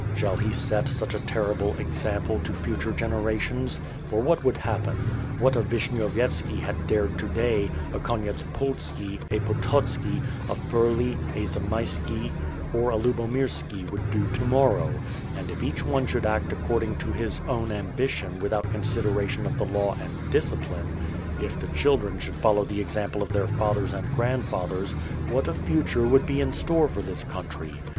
Shall he set such a terrible example to future generations? For what would happen? What a Vish nyovyetski had dared to day, a Konyetspolski, a Pototski, a Firley, a Zamyski, or a Lul)omirski would do to morrow, and if each one should act according to his own ambition without consideration of the law and discipline; if the children should follow the example of their fathers and grandfathers, what a future would be in store for this country!